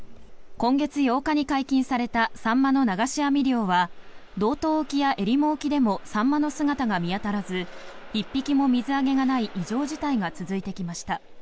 今月８日に解禁されたサンマの流し網漁は道東沖やえりも沖でもサンマの姿が見当たらず１匹も水揚げがない異常事態が続いてきました。